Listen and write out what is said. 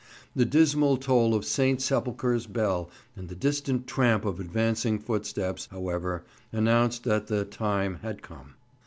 The dismal toll of St. Sepulchre's bell and the distant tramp of advancing footsteps, however, announced that the "time had come."